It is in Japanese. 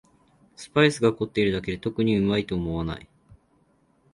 スパイスが凝ってるだけで特にうまいと思わない